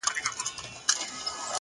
هره هڅه ځانګړی اثر لري.